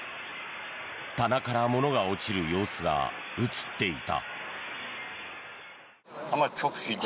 棚から物が落ちる様子が映っていた。